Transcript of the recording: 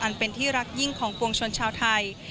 เป็นที่รักยิ่งของปวงชนชาวไทย